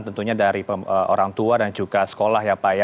tentunya dari orang tua dan juga sekolah ya pak ya